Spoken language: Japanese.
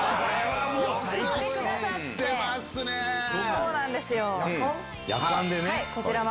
そうなんですよ。